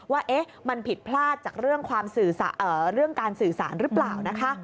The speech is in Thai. ว่ามันผิดพลาดจากเรื่องการสื่อสารหรือเปล่านะคะ